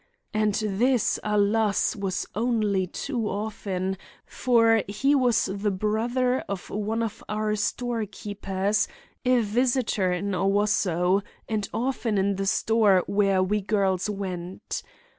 And this, alas! was only too often, for he was the brother of one of our storekeepers, a visitor in Owosso, and often in the store where we girls went.